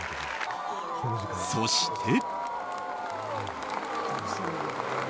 そして。